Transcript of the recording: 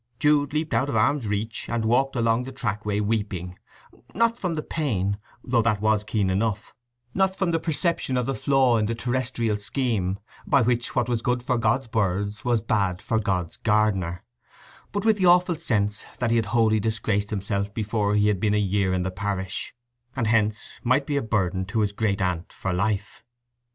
Jude leaped out of arm's reach, and walked along the trackway weeping—not from the pain, though that was keen enough; not from the perception of the flaw in the terrestrial scheme, by which what was good for God's birds was bad for God's gardener; but with the awful sense that he had wholly disgraced himself before he had been a year in the parish, and hence might be a burden to his great aunt for life.